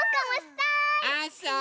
あそう！